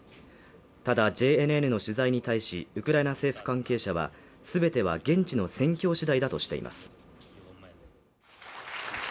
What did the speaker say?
ただＪＮＮの取材に対しウクライナ政府関係者はすべては現地の戦況次第だとしています